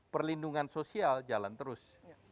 perlindungan sosial jalan terus